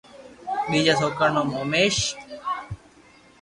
ٻيجا سوڪرا رو نوم اوميݾ